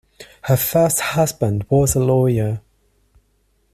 Her first husband was a lawyer.